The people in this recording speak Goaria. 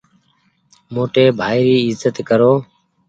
موٽي ڀآئي ايزت ڪرو۔